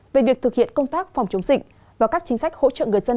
về việc thực hiện công tác phòng chống dịch và các chính sách hỗ trợ người dân